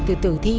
từ thử thi